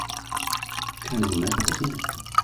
كان منّاد حزينا.